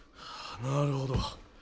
なるほど。